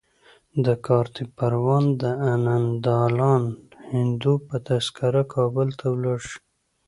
د کارته پروان د انندلال هندو په تذکره کابل ته ولاړ شي.